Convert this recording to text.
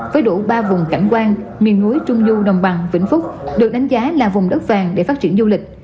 với đủ ba vùng cảnh quan miền núi trung du đồng bằng vĩnh phúc được đánh giá là vùng đất vàng để phát triển du lịch